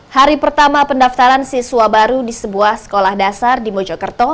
hari pertama pendaftaran siswa baru di sebuah sekolah dasar di mojokerto